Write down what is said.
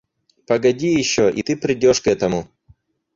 Погоди еще, и ты придешь к этому.